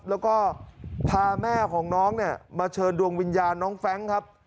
แล้วก็พาแม่ของน้องเนี่ยมาเชิญดวงวิญญาณน้องแฟรงค์ครับ